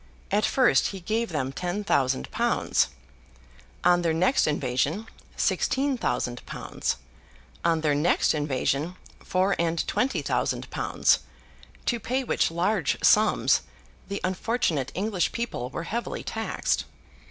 At first, he gave them ten thousand pounds; on their next invasion, sixteen thousand pounds; on their next invasion, four and twenty thousand pounds: to pay which large sums, the unfortunate English people were heavily taxed.